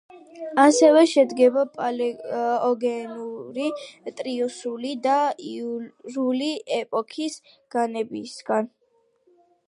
ასევე, შედგება პალეოგენური, ტრიასული და იურული ეპოქის ქანებისგან.